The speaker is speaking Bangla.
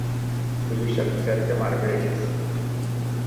পুলিশ অফিসারকে মারবে?